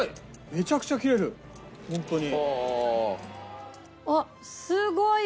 めちゃくちゃ切れるホントに。